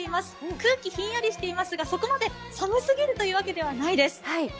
空気、ひんやりしていますが、そこまで寒すぎるというわけではないです。